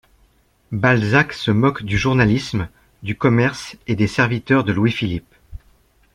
Balzac se moque du journalisme, du commerce et des serviteurs de Louis-Philippe.